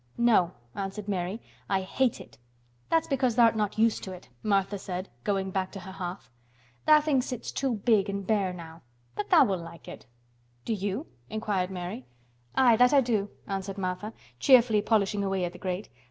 "No," answered Mary. "I hate it." "That's because tha'rt not used to it," Martha said, going back to her hearth. "Tha' thinks it's too big an' bare now. But tha' will like it." "Do you?" inquired Mary. "Aye, that I do," answered Martha, cheerfully polishing away at the grate.